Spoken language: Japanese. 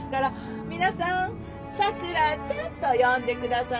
皆さん桜ちゃんと呼んでくださいませ。